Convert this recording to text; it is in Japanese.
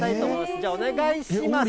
じゃあ、お願いします。